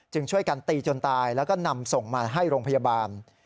ช่วยกันตีจนตายแล้วก็นำส่งมาให้โรงพยาบาล